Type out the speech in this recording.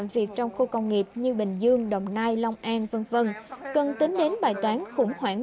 việc trong khu công nghiệp như bình dương đồng nai long an v v cần tính đến bài toán khủng hoảng